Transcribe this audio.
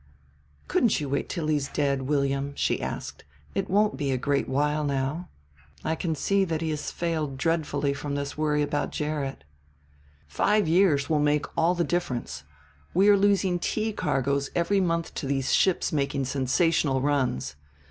"Couldn't you wait till he's dead, William?" she asked. "It won't be a great while now. I can see that he has failed dreadfully from this worry about Gerrit." "Five years will make all the difference. We are losing tea cargoes every month to these ships making sensational runs.